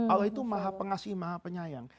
allah itu maha pengasih maha penyayang